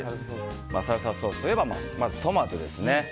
サルサソースといえばまずトマトですね。